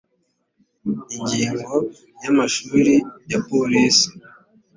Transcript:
ingingo ya amashuri ya polisi